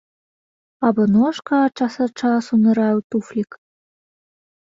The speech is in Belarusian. Або ножка час ад часу нырае ў туфлік.